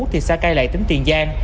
thì xa cây lại tỉnh tiền giang